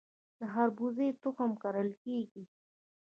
د خربوزې تخم کرل کیږي؟